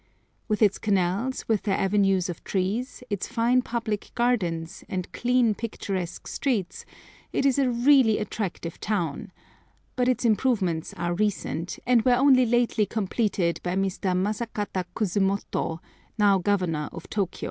With its canals with their avenues of trees, its fine public gardens, and clean, picturesque streets, it is a really attractive town; but its improvements are recent, and were only lately completed by Mr. Masakata Kusumoto, now Governor of Tôkiyô.